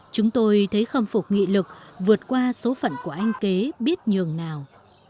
chúng tôi thấy khâm phục nghị lực vượt qua số phận của anh kế biết nhường nào